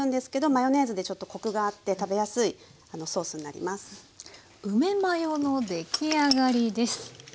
梅マヨの出来上がりです。